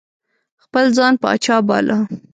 خپل ځان پاچا باله.